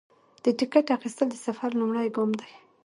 د ټکټ اخیستل د سفر لومړی ګام دی.